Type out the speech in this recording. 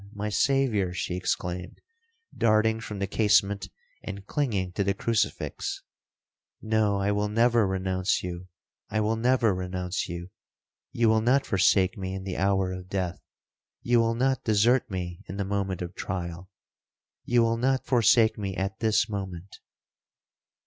my Saviour!' she exclaimed, darting from the casement, and clinging to the crucifix—'No! I will never renounce you!—I will never renounce you!—you will not forsake me in the hour of death!—you will not desert me in the moment of trial!—you will not forsake me at this moment!'